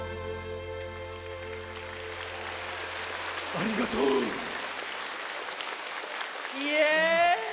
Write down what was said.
ありがとう！イエー！